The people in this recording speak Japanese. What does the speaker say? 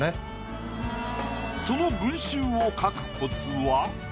その群衆を描くコツは？